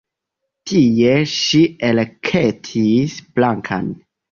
Tie ŝi elektis Blankan.